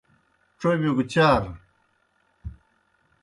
ڇوبِیو گہ چار۔